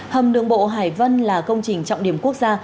hầm đường bộ hải vân là công trình trọng điểm quốc gia